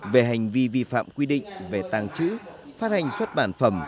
về hành vi vi phạm quy định về tăng chữ phát hành xuất bản phẩm